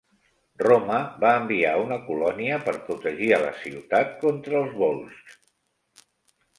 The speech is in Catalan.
Roma va enviar una colònia per protegir a la ciutat contra els volscs.